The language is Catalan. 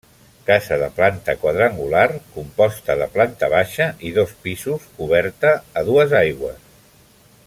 Casa de planta quadrangular, composta de planta baixa i dos pisos coberta a dues aigües.